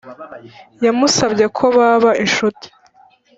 yamusabye ko baba inshuti